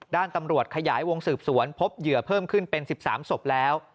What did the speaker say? ด้านตำรวจขยายวงสืบสวนพบเหยื่อเพิ่มขึ้นเป็น๑๓ศพแล้ว